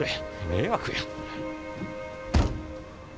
迷惑や。